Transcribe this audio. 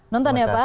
nonton ya pak